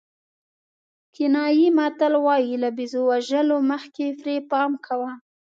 کینیايي متل وایي له بېزو وژلو مخکې پرې پام کوه.